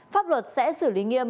pháp luật sẽ xử lý nghiêm